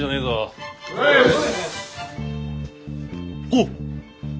おっ！